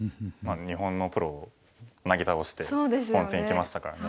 日本のプロをなぎ倒して本戦いきましたからね。